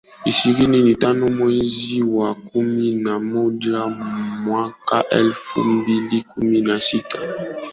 Ishirini na tano mwezi wa kumi na moja mwaka elfu mbili kumi na sita